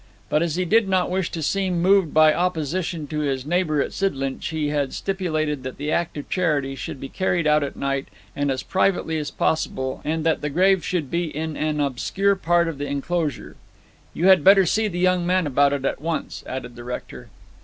But as he did not wish to seem moved by opposition to his neighbour at Sidlinch, he had stipulated that the act of charity should be carried out at night, and as privately as possible, and that the grave should be in an obscure part of the enclosure. 'You had better see the young man about it at once,' added the rector.